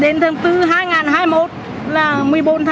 đến ba mươi tháng bốn một tháng năm tôi xin đi kiểu vành